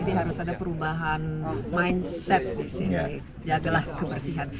jadi harus ada perubahan mindset disini jagalah kebersihan